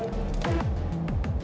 masuk dulu nih